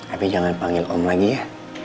tapi jangan panggil om lagi ya